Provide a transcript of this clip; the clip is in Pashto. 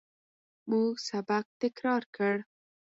موږ سبق تکرار کړ.